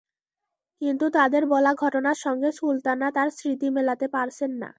কিন্তু তাদের বলা ঘটনার সঙ্গে সুলতানা তাঁর স্মৃতি মেলাতে পারছেন না।